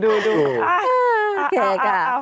โอเคค่ะ